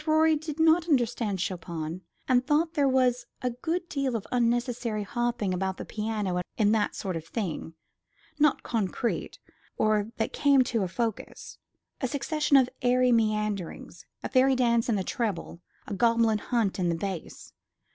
Rorie did not understand Chopin, and thought there was a good deal of unnecessary hopping about the piano in that sort of thing nothing concrete, or that came to a focus; a succession of airy meanderings, a fairy dance in the treble, a goblin hunt in the bass.